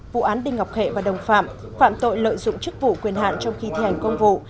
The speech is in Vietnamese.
vụ án đinh ngọc hệ và đồng phạm phạm tội lợi dụng chức vụ quyền hạn trong khi thi hành công vụ